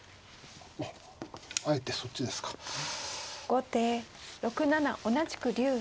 後手６七同じく竜。